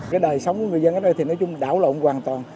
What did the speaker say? cái đời sống của người dân ở đây thì nói chung đảo lộn hoàn toàn